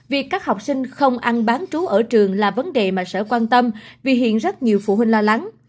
việc các học sinh không ăn bán trú ở trường là vấn đề mà sở quan tâm vì hiện rất nhiều phụ huynh lo lắng